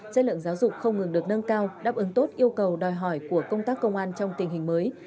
chất lượng giáo dục không ngừng được nâng cao đáp ứng tốt yêu cầu đòi hỏi của công tác công an trong tình hình mới